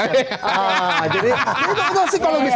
itu ada sih kalau bisa